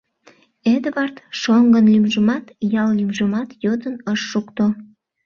Эдвард шоҥгын лӱмжымат, ял лӱмжымат йодын ыш шукто.